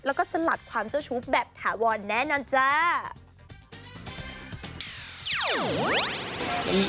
แล้วก็สลัดความเจ้าชู้แบบถาวรแน่นอนจ้า